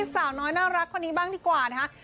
สาวน้อยน่ารักคนนี้บ้างดีกว่านะคะ